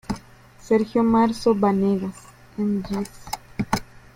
Sergio Marzo Vanegas, Mgs.